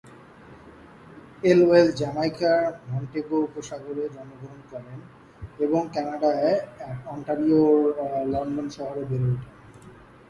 Elwell জ্যামাইকার Montagu উপসাগরে জন্মগ্রহণ করেন এবং কানাডার অন্টারিওর লন্ডন শহরে বেড়ে ওঠেন।